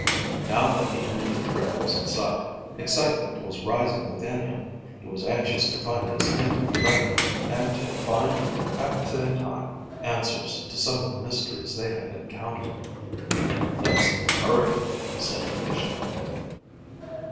Now that the end of the trail was in sight, excitement was rising within him. He was anxious to find his Hindu friend and to find at the same time answers to some of the mysteries they had encountered. "Let's hurry," he said impatiently.